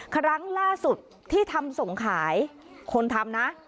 ครั้งล่าสุดที่ทำส่งขายคนทำนะ